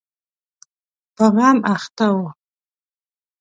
په غم اخته و.